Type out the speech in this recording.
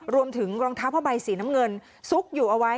รวมถึงรองเท้าผ้าใบสีน้ำเงินซุกอยู่เอาไว้